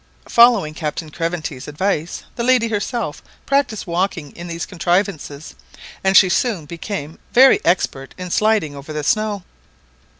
Following Captain Craventy's advice, the lady herself practised walking in these contrivances, and she soon became very expert in sliding over the snow.